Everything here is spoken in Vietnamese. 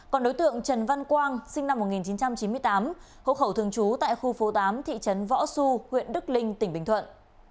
còn đối tượng trần văn quang sinh năm một nghìn chín trăm chín mươi tám hộ khẩu thường trú tại khu phố tám thị trấn võ xu huyện đức linh tỉnh bình thuận